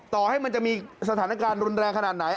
ต่อให้มันจะมีสถานการณ์รุนแรงขนาดไหน